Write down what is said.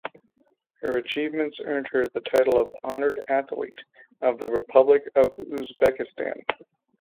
Her achievements earned her the title of "Honored Athlete" of the Republic of Uzbekistan.